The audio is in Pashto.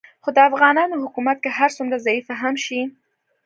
خو د افغانانو حکومت که هر څومره ضعیفه هم شي